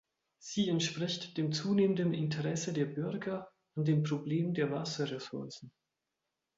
Sie entspricht dem zunehmenden Interesse der Bürger an dem Problem der Wasserressourcen.